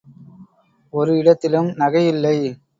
ஒரு இடத்திலும் நகை இல்லை.